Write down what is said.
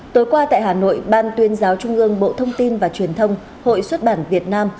tối qua tại hà nội ban tuyên giáo trung ương bộ thông tin và truyền thông hội xuất bản việt nam